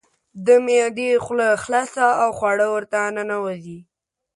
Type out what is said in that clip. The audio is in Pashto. د معدې خوله خلاصه او خواړه ورته ننوزي.